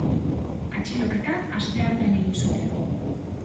Atxiloketa asteartean egin zuten.